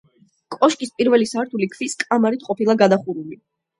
კოშკის პირველი სართული ქვის კამარით ყოფილა გადახურული.